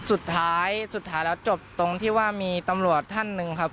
สุดท้ายสุดท้ายแล้วจบตรงที่ว่ามีตำรวจท่านหนึ่งครับ